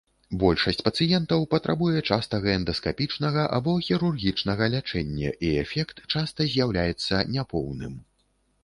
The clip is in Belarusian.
Большасць пацыентаў патрабуе частага эндаскапічнага або хірургічнага лячэння, і эфект часта з'яўляецца няпоўным.